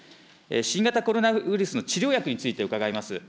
新型コロナウイルスの治療薬について伺います。